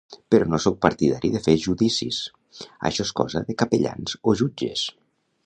Però no sóc partidari de fer judicis: això és cosa de capellans o jutges.